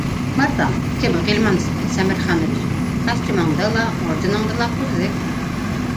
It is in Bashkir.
— Мырҙам, кем, Ғилман Сәмерханович, костюмыңды ла, орденыңды ла күрҙек